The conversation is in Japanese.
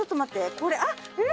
これあっえーっ！」